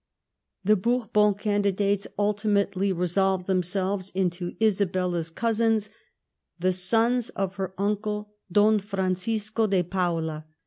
The Bourbon candidates ultimately resolved themselves into Isabella's cou sins, the sons of her uncle Don Francisco de Paula.